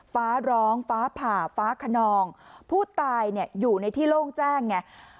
ฟ้าร้องฟ้าผ่าฟ้าขนองผู้ตายเนี่ยอยู่ในที่โล่งแจ้งไง